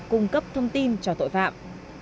cung cấp thông tin cho tội phạm